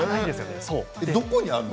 どこにあるの？